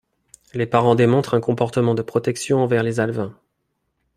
Les parents démontrent un comportement de protection envers les alevins.